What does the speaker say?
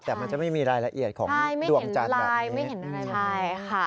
ที่มีรายละเอียดของดวงจันทร์